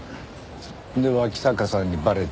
で脇坂さんにバレて。